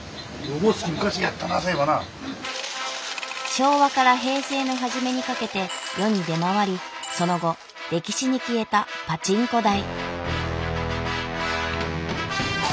昭和から平成の初めにかけて世に出回りその後歴史に消えたパチンコ台。